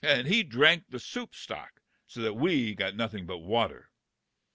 He drank the soup stock, so that we got nothing but water.